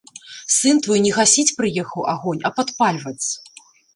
Сын твой не гасіць прыехаў агонь, а падпальваць.